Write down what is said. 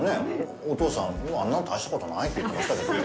お父さん、あんなの大したことないって言ってましたけど。